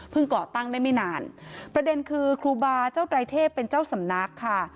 ก่อตั้งได้ไม่นานประเด็นคือครูบาเจ้าไตรเทพเป็นเจ้าสำนักค่ะ